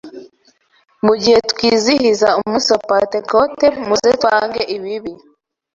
Mu gihe twizihiza umunsi wa Pentekote muze twange ibibi,